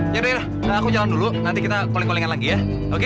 yaudah aku jalan dulu nanti kita koling kolingan lagi ya oke